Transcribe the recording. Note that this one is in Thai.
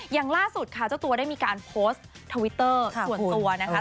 อย่างล่าสุดค่ะเจ้าตัวได้มีการโพสต์ทวิตเตอร์ส่วนตัวนะคะ